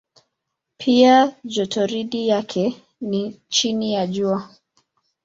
Pia jotoridi yake ni chini ya Jua.